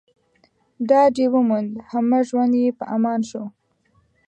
ډاډ يې وموند، همه ژوند يې په امان شو